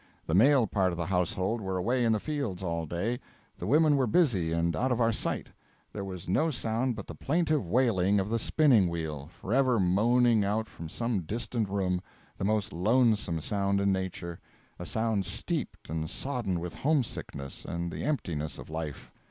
The male part of the household were away in the fields all day, the women were busy and out of our sight; there was no sound but the plaintive wailing of a spinning wheel, forever moaning out from some distant room the most lonesome sound in nature, a sound steeped and sodden with homesickness and the emptiness of life.